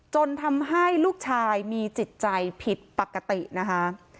จนทำให้ลูกชายมีจิตใจผิดปกตินะคะ